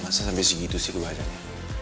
masa sampe segitu sih gue ajaknya